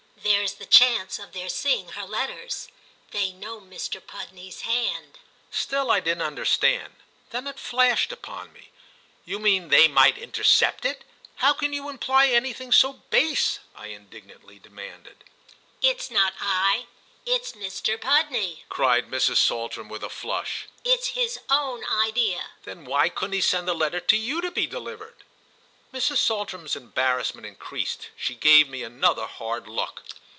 "There's the chance of their seeing her letters. They know Mr. Pudney's hand." Still I didn't understand; then it flashed upon me. "You mean they might intercept it? How can you imply anything so base?" I indignantly demanded. "It's not I—it's Mr. Pudney!" cried Mrs. Saltram with a flush. "It's his own idea." "Then why couldn't he send the letter to you to be delivered?" Mrs. Saltram's embarrassment increased; she gave me another hard look.